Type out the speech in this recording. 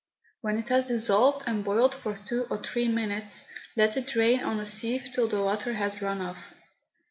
When it has dissolved and boiled for two or three minutes, let it drain on a sieve till the water has run off.